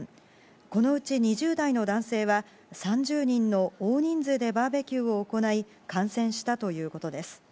このうち２０代の男性は、３０人の大人数でバーベキューを行い感染したということです。